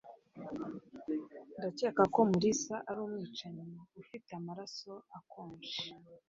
Ndakeka ko Mulisa ari umwicanyi ufite amaraso akonje.